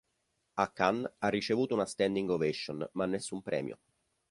A Cannes ha ricevuto una standing ovation, ma nessun premio.